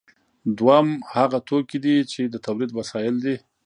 دویم هغه توکي دي چې د تولید وسایل دي.